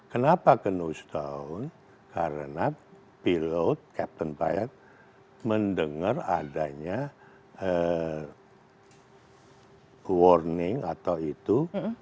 kenapa ke nose down karena pilot captain pirate mendengar adanya warning atau itu